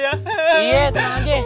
iya tenang aja